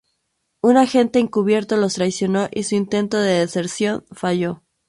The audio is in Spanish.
Un agente encubierto los traicionó y su intento de deserción falló.